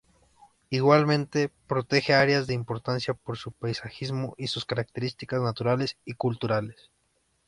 Igualmente protege áreas de importancia por su paisajismo y sus características naturales y culturales.